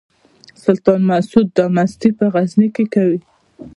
سلطان مسعود دا مستي په غزني کې کوي.